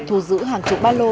thu giữ hàng chục ba lô